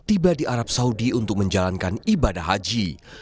tiba di arab saudi untuk menjalankan ibadah haji